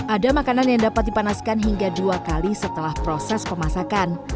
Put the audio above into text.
ada makanan yang dapat dipanaskan hingga dua kali setelah proses pemasakan